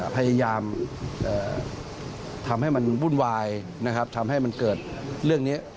พยายามทำให้มันวุ่นวายนะครับทำให้มันเกิดเรื่องนี้